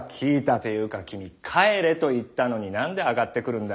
ていうか君帰れと言ったのに何で上がってくるんだ。